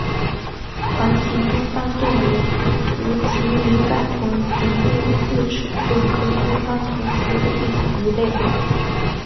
黄鳍东方鲀为辐鳍鱼纲豚形目四齿鲀科东方鲀属的一种鱼类。